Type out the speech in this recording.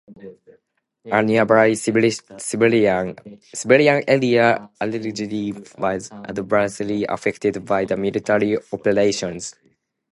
A nearby civilian area allegedly was adversely affected by the military operations.